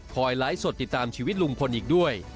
ไลฟ์สดติดตามชีวิตลุงพลอีกด้วย